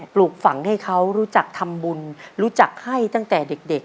ปลูกฝังให้เขารู้จักทำบุญรู้จักให้ตั้งแต่เด็ก